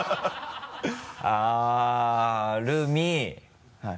あっ「るみ」はい。